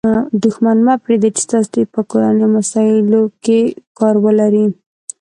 دوښمن مه پرېږدئ، چي ستاسي په کورنۍ مسائلو کښي کار ولري.